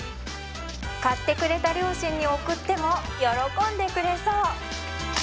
買ってくれた両親に贈っても喜んでくれそう